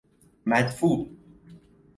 مدفوع